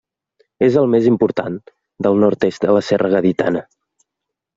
És el més important del nord-est de la serra gaditana.